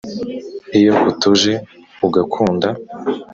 Iyo utuje ugakunda